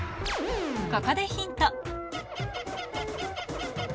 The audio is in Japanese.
ここでヒント